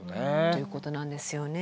ということなんですよね。